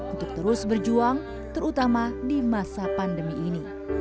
untuk terus berjuang terutama di masa pandemi ini